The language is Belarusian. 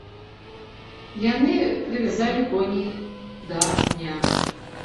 Яны прывязалі коней да пня.